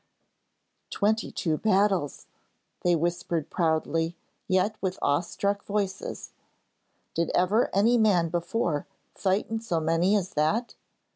'Twenty two battles!' they whispered proudly yet with awe struck voices; 'did ever any man before fight in so many as that?'